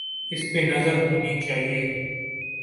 اس پہ نظر ہونی چاہیے۔